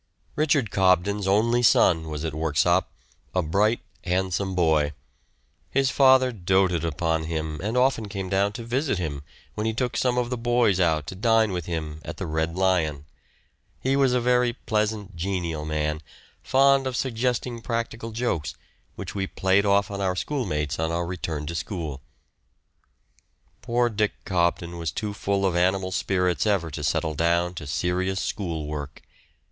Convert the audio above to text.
Richard Cobden's only son was at Worksop, a bright, handsome boy. His father doted upon him, and often came down to visit him, when he took some of the boys out to dine with him at the "Red Lion"; he was a very pleasant, genial man, fond of suggesting practical jokes, which we played off on our schoolmates on our return to school. Poor Dick Cobden was too full of animal spirits ever to settle down to serious school work.